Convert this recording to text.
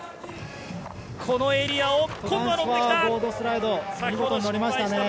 このエリアを今度は乗ってきた。